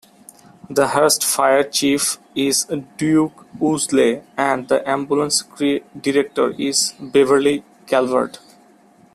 The Hurst Fire Chief is Duke Woolsey and the ambulance director is Beverly Calvert.